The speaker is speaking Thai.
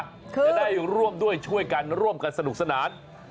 จะได้ร่วมด้วยช่วยกันร่วมกันสนุกสนาน